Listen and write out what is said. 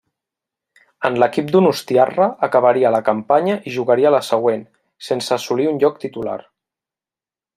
En l'equip donostiarra acabaria la campanya i jugaria la següent, sense assolir un lloc titular.